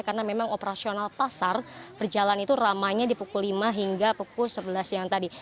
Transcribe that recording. karena memang operasional pasar perjalanan itu ramanya di pukul lima hingga pukul sebelas yang tadi